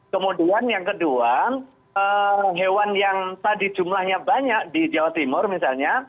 kemudian yang kedua hewan yang tadi jumlahnya banyak di jawa timur misalnya